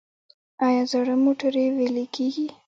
آیا زاړه موټرې ویلې کیږي؟